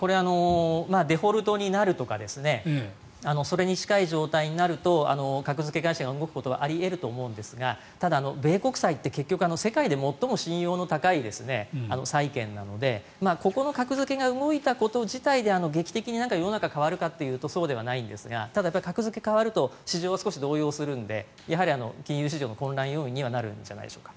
デフォルトになるとかそれに近い状態になると格付け会社が動くことはあり得ると思うんですがただ、米国債って世界で最も信用の高い債券なのでここの格付けが動いたこと自体で劇的に世の中が変わるかというとそうではないんですがただ、格付けが変わると市場が少し動揺するのでやはり金融市場の混乱要因にはなるんじゃないでしょうか。